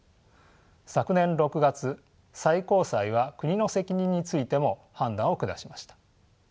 昨年６月最高裁は国の責任についても判断を下しました。